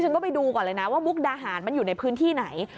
ต้องไปดูก่อนเลยนะว่ามุกดาหารมันอยู่ในพื้นที่ไหน